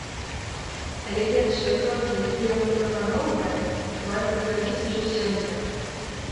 Але першыя крокі, якія мы прапаноўваем, варта зрабіць ужо сёння.